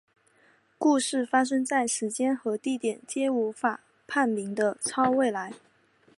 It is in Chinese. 故事发生在时间和地点皆无法判明的超未来。